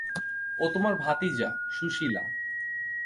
ও তোমার ভাতিজা, সুশীলা।